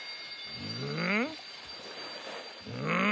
うん？